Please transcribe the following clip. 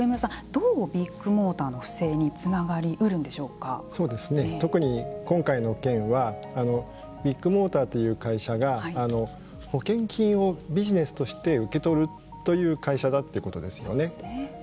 どうビッグモーターの不正に特に今回の件はビッグモーターという会社が保険金をビジネスとして受け取るという会社だということですよね。